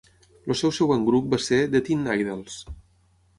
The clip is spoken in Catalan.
El seu següent grup va ser The Teen Idles.